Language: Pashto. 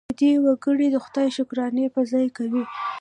په دې ورکړې د خدای شکرانې په ځای کوي.